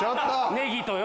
ネギとよ。